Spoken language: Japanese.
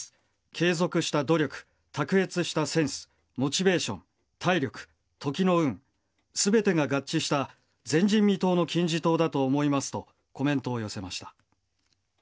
継続した努力、卓越したセンスモチベーション、体力、時の運全てが合致した前人未到の金字塔だと思いますとコメントを寄せました。